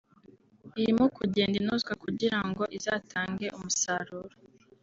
irimo kugenda inozwa kugira ngo izatange umusaruro